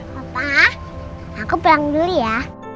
papa aku pulang dulu ya